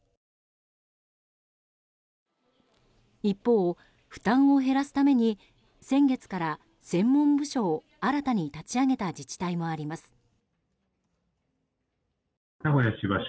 一方、負担を減らすために先月から専門部署を新たに立ち上げた自治体もあります。